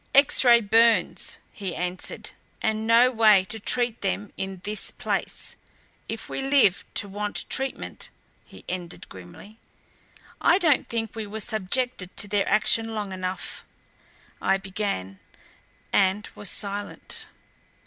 "X ray burns," he answered, "and no way to treat them in this place if we live to want treatment," he ended grimly. "I don't think we were subjected to their action long enough " I began, and was silent.